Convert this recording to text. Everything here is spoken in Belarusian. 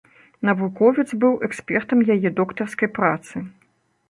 Навуковец быў экспертам яе доктарскай працы.